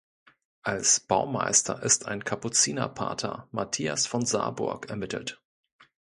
Als Baumeister ist ein Kapuzinerpater Matthias von Saarburg ermittelt.